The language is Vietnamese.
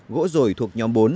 gỗ rổi thuộc nhóm bốn